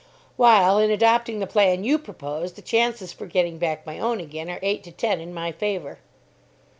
"While, in adopting the plan you propose, the chances for getting back my own again are eight to ten in my favour."